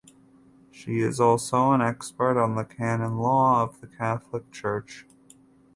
She is also an expert on the canon law of the Catholic church.